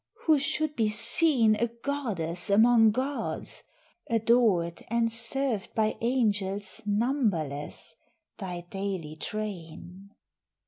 who should be seen A goddess among gods, adored and served By angels numberless, thy daily train."